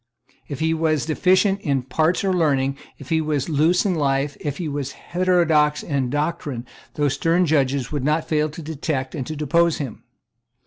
If he was deficient in parts or learning, if he was loose in life, if he was heterodox in doctrine, those stern judges would not fail to detect and to depose him.